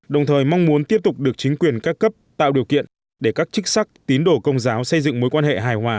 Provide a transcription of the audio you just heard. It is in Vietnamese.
đồng thời mong muốn tiếp tục được chính quyền các cấp tạo điều kiện để các chức sắc tín đổ công giáo xây dựng mối quan hệ hài hòa